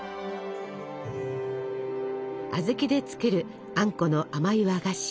小豆で作るあんこの甘い和菓子。